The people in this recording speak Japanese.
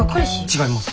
違います。